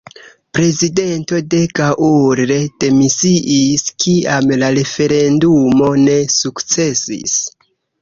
Prezidento de Gaulle demisiis kiam la referendumo ne sukcesis.